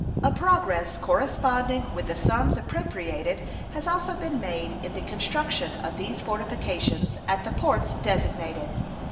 A progress corresponding with the sums appropriated has also been made in the construction of these fortifications at the ports designated.